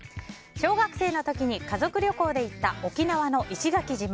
小学生の時に家族旅行で行った沖縄の石垣島。